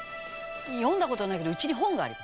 「読んだ事はないけどうちに本がある」